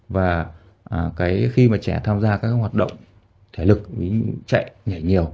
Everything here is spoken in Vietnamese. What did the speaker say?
và khi mà trẻ tham gia các hoạt động thể lực chạy nhảy nhiều